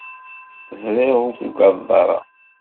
Ẓriɣ ur tugadeḍ ara.